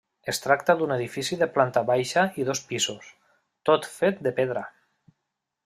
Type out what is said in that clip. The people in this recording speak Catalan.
Es tracta d'un edifici de planta baixa i dos pisos, tot fet de pedra.